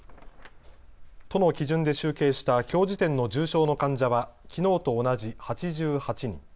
都の基準で集計したきょう時点の重症の患者はきのうと同じ８８人。